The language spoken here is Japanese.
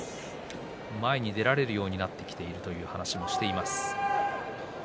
前に出られるようになってきているという話もしています。